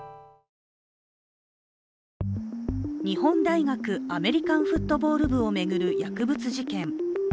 日本大学アメリカンフットボール部を巡る薬物事件。